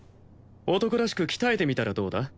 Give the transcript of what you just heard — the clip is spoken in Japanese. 男らしく鍛えてみたらどうだ？